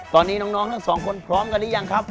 ตอนนี้น้องทั้งสองคนพร้อมกันหรือยังครับ